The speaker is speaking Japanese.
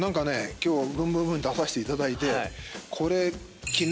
今日『ブンブブーン！』に出させていただいてこれ。